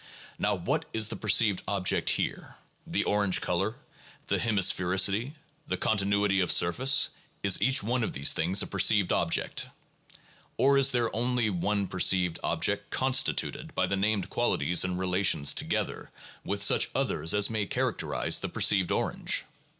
Now what is the perceived object here? The orange color, the hemisphericity, the continuity of surface — is each one of these things a perceived object? Or is there only one perceived object constituted by the named qualities and relations together with such others as may characterize the perceived orange?